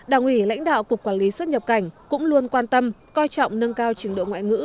đảng ủy lãnh đạo cục quản lý xuất nhập cảnh cũng luôn quan tâm coi trọng nâng cao trình độ ngoại ngữ